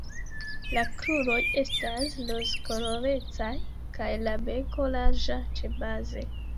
La kruroj estas rozkolorecaj kaj la beko larĝa ĉebaze.